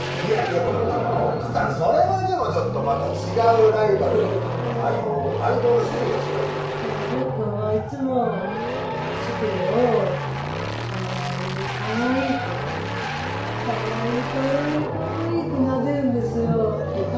でも奥さんそれはでもちょっとまた違うライバル相棒の種類が違うからでも隆くんはいつもシュクレを「かわいいかわいい」って「かわいいかわいいかわいい」ってなでるんですよ